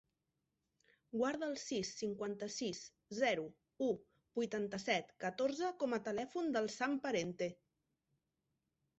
Guarda el sis, cinquanta-sis, zero, u, vuitanta-set, catorze com a telèfon del Sam Parente.